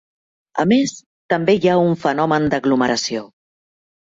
A més, també hi ha un fenomen d'aglomeració.